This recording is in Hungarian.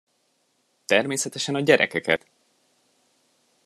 Természetesen a gyerekeket!